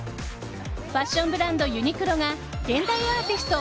ファッションブランドユニクロが現代アーティスト